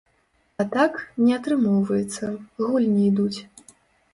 А так, не атрымоўваецца, гульні ідуць.